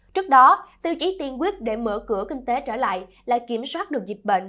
trước đó tiêu chí tiên quyết để mở cửa kinh tế trở lại là kiểm soát được dịch bệnh